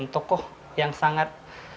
tokoh yang sangat